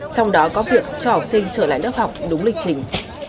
trong đó có việc cho học sinh trở lại lớp học đúng lịch trình